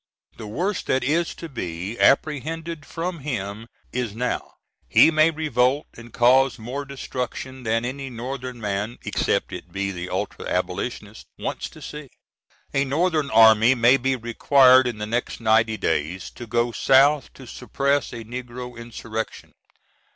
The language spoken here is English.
The worst that is to be apprehended from him is now: he may revolt and cause more destruction than any Northern man, except it be the ultra abolitionist, wants to see. A Northern army may be required in the next ninety days to go South to suppress a negro insurrection.